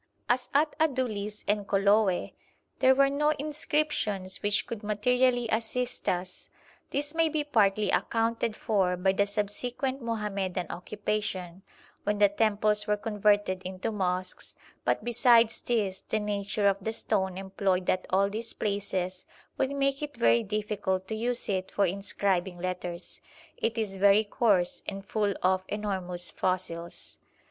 As at Adulis and Koloe there were no inscriptions which could materially assist us; this may be partly accounted for by the subsequent Mohammedan occupation, when the temples were converted into mosques, but besides this the nature of the stone employed at all these places would make it very difficult to use it for inscribing letters: it is very coarse, and full of enormous fossils.